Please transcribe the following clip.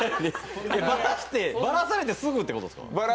ばらされてすぐってことですか？